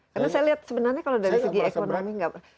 karena saya lihat sebenarnya kalau dari segi ekonomi